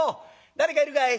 誰かいるかい？